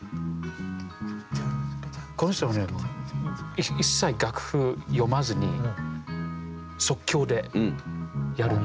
この人はね一切楽譜読まずに即興でやるんですよ。